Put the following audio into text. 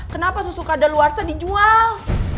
kenapa susu kadal warsa dijual